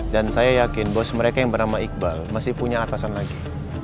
dan saya yakin bos mereka yang bernama iqbal masih punya atasan lagi